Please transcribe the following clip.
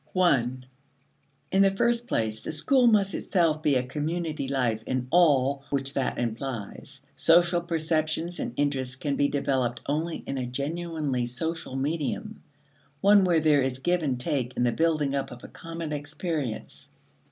(i) In the first place, the school must itself be a community life in all which that implies. Social perceptions and interests can be developed only in a genuinely social medium one where there is give and take in the building up of a common experience.